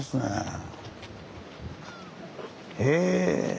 へえ。